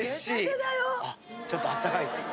ちょっとあったかいですよ。